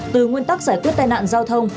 từ nguyên tắc giải quyết tai nạn giao thông